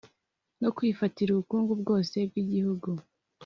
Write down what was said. no kwifatira ubukungu bwose bw igihugu